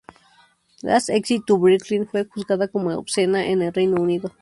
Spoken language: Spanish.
Last Exit to Brooklyn fue juzgada como obscena en el Reino Unido.